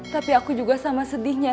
tapi aku juga sama sedihnya